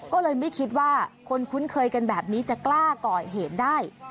ก็เลยไม่คิดว่าคนคุ้นเคยกันแบบนี้จะกล้าก่อเหตุได้